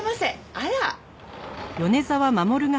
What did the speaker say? あら！